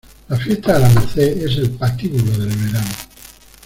La fiesta de la Merced es el patíbulo del verano.